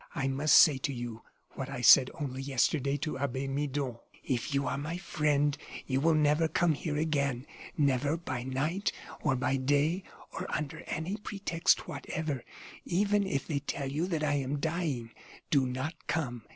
I must say to you, what I said only yesterday to Abbe Midon. If you are my friend, you will never come here again never by night or by day, or under any pretext whatever. Even if they tell you that I am dying, do not come.